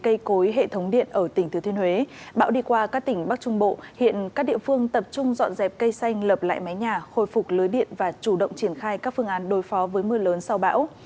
cây cối hệ thống điện ở tỉnh thừa thiên huế bão đi qua các tỉnh bắc trung bộ hiện các địa phương tập trung dọn dẹp cây xanh lập lại mái nhà khôi phục lưới điện và chủ động triển khai các phương án đối phó với mưa lớn sau bão